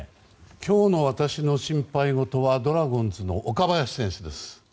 今日の私の心配事はドラゴンズの岡林選手です。